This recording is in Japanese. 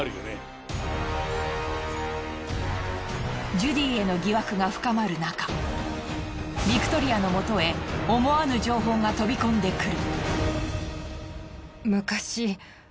ジュディへの疑惑が深まるなかビクトリアの元へ思わぬ情報が飛び込んでくる。